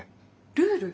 ルール？